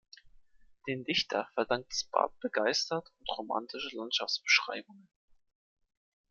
Den Dichtern verdankt das Bad begeisterte und romantische Landschaftsbeschreibungen.